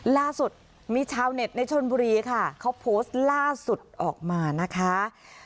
ล่าสุดมีชาวเน็ตในชนบุรีค่ะเขาโพสต์ล่าสุดออกมานะคะ